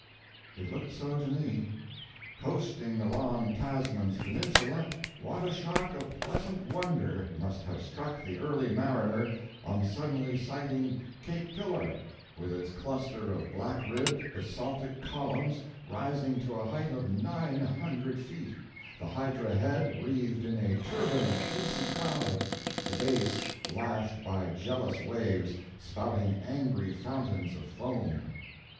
It looked so to me. "Coasting along Tasman's Peninsula, what a shock of pleasant wonder must have struck the early mariner on suddenly sighting Cape Pillar, with its cluster of black ribbed basaltic columns rising to a height of 900 feet, the hydra head wreathed in a turban of fleecy cloud, the base lashed by jealous waves spouting angry fountains of foam."